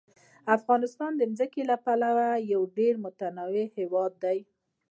افغانستان د ځمکه له پلوه یو ډېر متنوع هېواد دی.